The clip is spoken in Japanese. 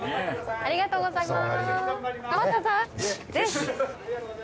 ありがとうございます。